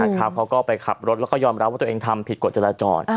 เขาก็ไปขับรถแล้วก็ยอมรับว่าตัวเองทำผิดกฎจราจร